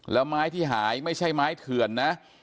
แล้วไม้ที่หายไม่ใช่ไม้เถื่อนนะ